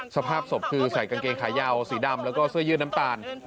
สภาพศพคือใส่กางเกงขายาวสีดำแล้วก็เสื้อยืดน้ำตาล